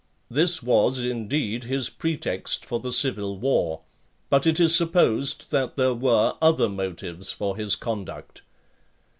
This was indeed his pretext for the civil war; but it is supposed that there were other motives for his conduct.